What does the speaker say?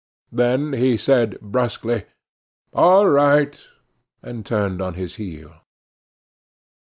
Then he said brusquely: "All right," and turned on his heel.